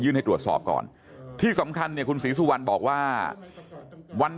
ยื่นให้ตรวจสอบก่อนที่สำคัญสิสุวรรณบอกว่าวัน